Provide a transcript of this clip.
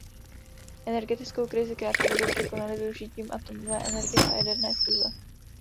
Energetickou krizi krátkodobě překonali využitím atomové energie a jaderné fúze.